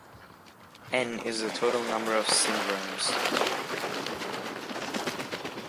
"N" is the total number of syndromes.